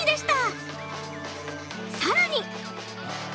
さらに。